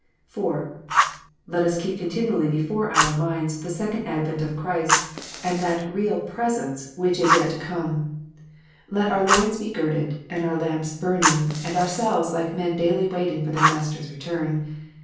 (4) Let us keep continually before our minds the second advent of Christ, and that real " presence " which is yet to 210 KNOTS UNTIED. come. Let our loins be girded, and our lamps burning, and ourselves like men daily waiting for their Master s return.